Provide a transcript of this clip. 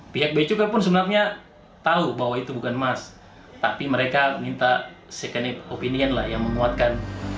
pihak beacukai pun sebenarnya tahu bahwa itu bukan emas tapi mereka minta second opinion lah yang memuatkan